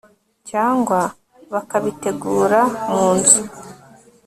cyangwa bakabitegura mu nzu